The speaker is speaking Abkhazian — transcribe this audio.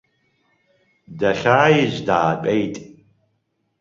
Дахьааиз даатәеит.